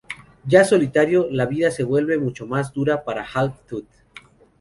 Ya solitario, la vida se vuelve mucho más dura para "Half-Tooth".